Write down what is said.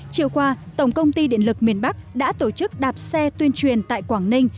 chiều qua tổng công ty điện lực miền bắc đã tổ chức đạp xe tuyên truyền tại quảng ninh